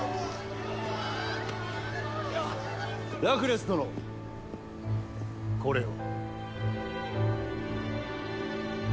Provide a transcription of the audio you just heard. ラクレス殿これを。